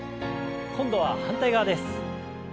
今度は反対側です。